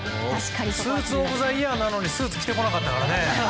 スーツ・オブ・ザ・イヤーなのにスーツ着てこなかったからね。